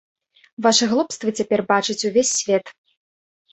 Вашы глупствы цяпер бачыць увесь свет.